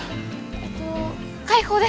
えっと開放で！